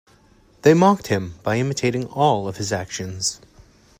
They mocked him by imitating all of his actions.